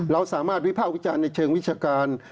เราสามารถวิภาควิจารณ์ในเชิงวิชาการ